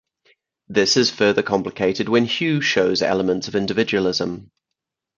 This is further complicated when Hugh shows elements of individualism.